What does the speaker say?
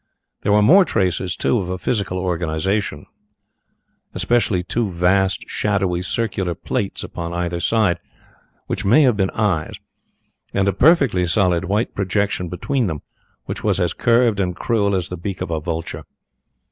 There were more traces, too, of a physical organization, especially two vast, shadowy, circular plates upon either side, which may have been eyes, and a perfectly solid white projection between them which was as curved and cruel as the beak of a vulture.